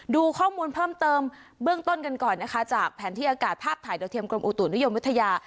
ดูข้อมูลเพิ่มเติมเบื้องต้นกันก่อนนะคะจากแผนที่อากาศภาพถ่ายดาวเทียมกรมอุตุนิยมวิทยา